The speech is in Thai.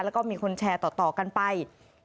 แล้วก็มีคนแชร์ต่อกันไป